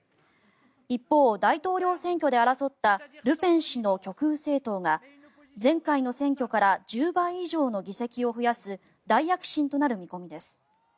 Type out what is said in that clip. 一方、大統領選で争ったルペン氏の極右政党が前回の選挙から１０倍以上の議席を増やす大躍進となる見込みです。